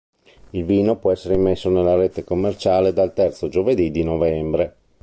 Il vino può essere immesso nella rete commerciale dal terzo giovedì di novembre.